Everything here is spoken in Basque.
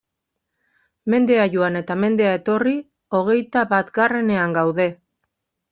Mendea joan eta mendea etorri, hogeita batgarrenean gaude!